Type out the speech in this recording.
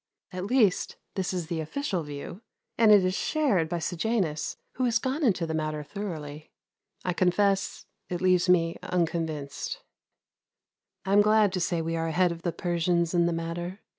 At least this is the official view, and it is shared by Sejanus, who has gone into the matter thoroughly. I confess it leaves me unconvinced. I am glad to say we are ahead of the Persians in the matter.